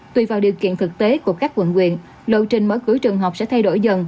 tùy vào điều kiện thực tế của các quận quyện lộ trình mở cửa trường học sẽ thay đổi dần